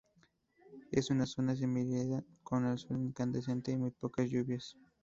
Es una zona semiárida, con sol incandescente y muy pocas lluvias.